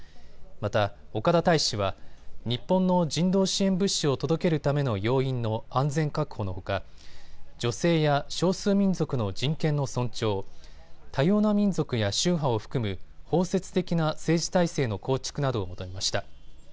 また岡田大使は日本の人道支援物資を届けるための要員の安全確保のほか女性や少数民族の人権の尊重、多様な民族や宗派を含む包摂的な政治体制の構築などを求めました。